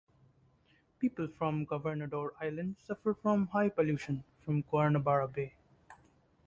People from Governador Island suffer from high pollution from Guanabara Bay.